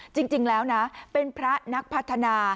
จริงแล้วนะเป็นพระนักพัฒนา